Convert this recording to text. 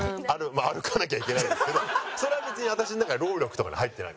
まあ歩かなきゃいけないんですけどそれは別に私の中で労力とかに入ってない。